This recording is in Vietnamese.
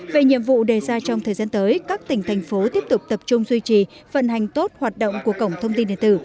về nhiệm vụ đề ra trong thời gian tới các tỉnh thành phố tiếp tục tập trung duy trì vận hành tốt hoạt động của cổng thông tin điện tử